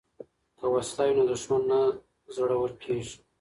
که وسله وي نو دښمن نه زړور کیږي.